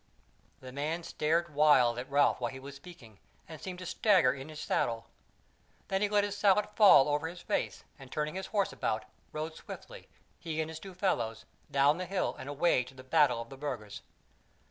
The man stared wild at Ralph while he was speaking, and seemed to stagger in his saddle; then he let his sallet fall over his face, and, turning his horse about, rode swiftly, he and his two fellows, down the hill and away to the battle of the Burgers.